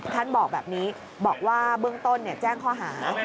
ท่านบอกแบบนี้บอกว่าเบื้องต้นแจ้งข้อหา